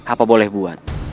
apa boleh buat